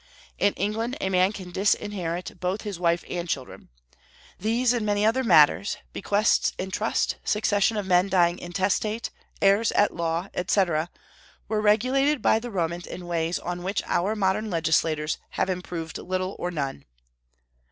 In England, a man can disinherit both his wife and children. These, and many other matters, bequests in trust, succession of men dying intestate, heirs at law, etc., were regulated by the Romans in ways on which our modern legislators have improved little or none.